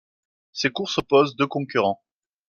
Ces courses opposent deux concurrents.